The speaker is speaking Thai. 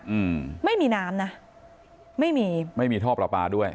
อืมไม่มีน้ำนะไม่มีไม่มีท่อปลาปลาด้วย